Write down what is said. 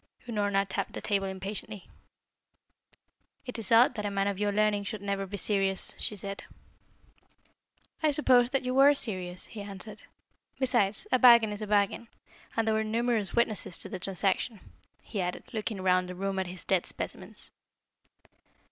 Unorna tapped the table impatiently. "It is odd that a man of your learning should never be serious," she said. "I supposed that you were serious," he answered. "Besides, a bargain is a bargain, and there were numerous witnesses to the transaction," he added, looking round the room at his dead specimens.